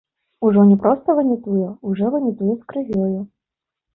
Ужо не проста ванітуе, ужо ванітуе з крывёю.